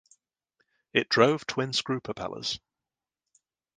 It drove twin screw propellers.